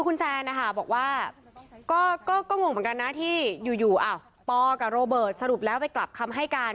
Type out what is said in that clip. คุณแซนนะคะบอกว่าก็งงเหมือนกันนะที่อยู่ปกับโรเบิร์ตสรุปแล้วไปกลับคำให้การ